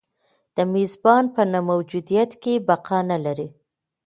د میزبان په نه موجودیت کې بقا نه لري.